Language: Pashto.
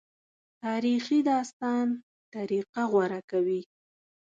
تاریخي داستان طریقه غوره کوي.